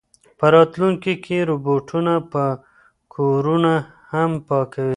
په راتلونکي کې روبوټونه به کورونه هم پاکوي.